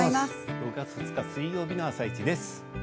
６月２日水曜日の「あさイチ」です。